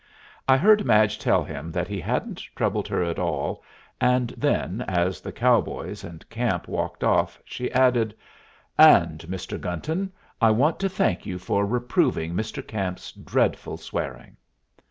I heard Madge tell him that he hadn't troubled her at all, and then, as the cowboys and Camp walked off, she added, "And, Mr. Gunton, I want to thank you for reproving Mr. Camp's dreadful swearing."